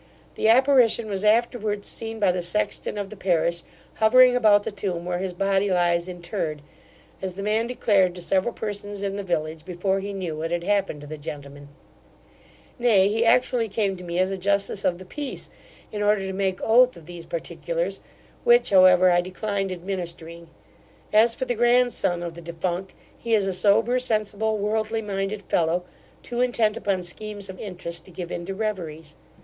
The apparition was afterwards seen by the sexton of the parish, hovering about the tomb where his body lies interred; as the man declared to several persons in the village, before he knew what had happened to the gentleman Nay, he actually came to me as a justice of the peace, in order to make oath of these particulars, which, however, I declined administering. As for the grandson of the defunct, he is a sober, sensible, worldly minded fellow, too intent upon schemes of interest to give in to reveries.